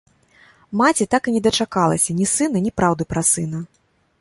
Маці так і не дачакалася ні сына, ні праўды пра сына.